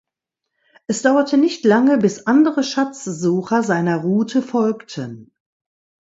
Es dauerte nicht lange bis andere Schatzsucher seiner Route folgten.